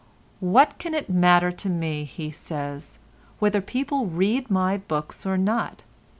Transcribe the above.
"What can it matter to me," he says, "whether people read my books or not?